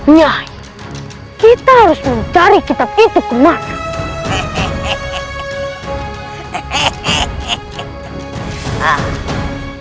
nyai kita harus mencari kita itu kemarin